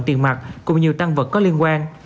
tiền mặt cùng nhiều tăng vật có liên quan